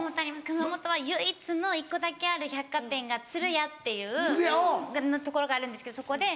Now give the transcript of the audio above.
熊本は唯一の１個だけある百貨店が鶴屋っていうところがあるんですけどそこで